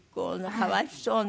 かわいそうね。